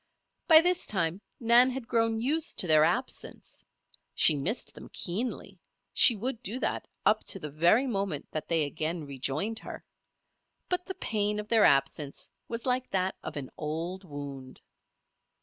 By this time Nan had grown used to their absence. She missed them keenly she would do that up to the very moment that they again rejoined her; but the pain of their absence was like that of an old wound.